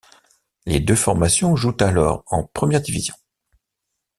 Les deux formations jouent alors en première division.